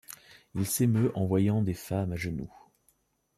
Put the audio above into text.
Il s'émeut en voyant des femmes à genoux